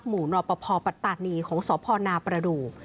หมู่หนอปภปราตานีของสพนาปราดู